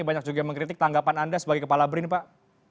banyak juga yang mengkritik tanggapan anda sebagai kepala brin pak